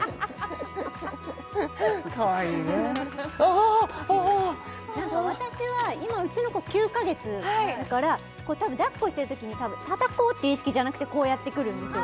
かわいいねああっああなんか私は今うちの子９カ月だからたぶんだっこしてるときにたたこうって意識じゃなくてこうやってくるんですよ